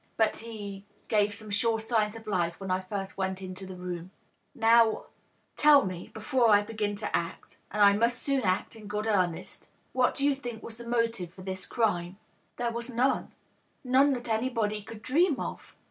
But he gave some sure signs of life when I first went into the room. .. Now tell me, before I begin to act — ^and I must soon act in good earnest — ^what do you think was the motive for this crime?" " There was none — ^none that anybody could dream of."